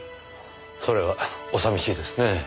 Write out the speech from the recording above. それはお寂しいですねぇ。